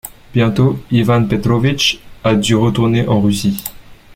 Bientôt Ivan Petrovich a dû retourner en Russie.